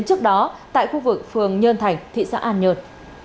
trước đó tại khu vực phường nhơn thành thị xã an nhơn